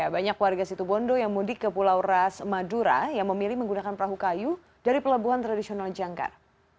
banyak warga situbondo yang mudik ke pulau ras madura yang memilih menggunakan perahu kayu dari pelabuhan tradisional jangkar